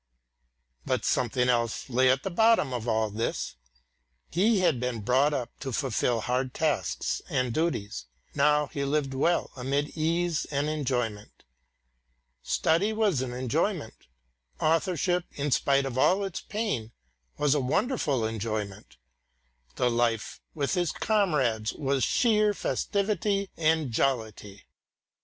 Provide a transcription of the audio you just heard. But something else lay at the bottom of all this. He had been brought up to fulfil hard tasks and duties. Now he lived well amid ease and enjoyment. Study was an enjoyment; authorship, in spite of all its pains, was a wonderful enjoyment; the life with his comrades was sheer festivity and jollity.